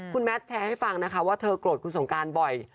คุณแมทแชร์ให้ฟังนะคะว่าเธอโกรธคุณสงการบ่อย